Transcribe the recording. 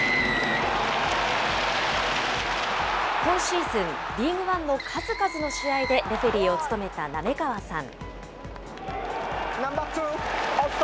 今シーズン、リーグワンの数々の試合でレフェリーを務めた滑川さん。